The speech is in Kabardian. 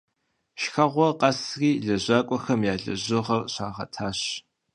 Шхэгъуэр къэсри лэжьакӀуэхэм я лэжьыгъэр щагъэтащ.